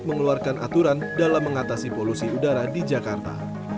mengeluarkan aturan dalam mengatasi polusi udara di jakarta